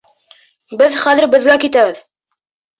Беҙ хәҙер беҙгә китәбеҙ.